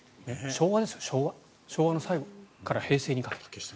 昭和ですよ昭和の最後から平成にかけて。